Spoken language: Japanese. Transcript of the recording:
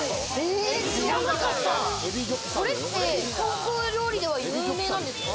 これって韓国料理では有名なんですか？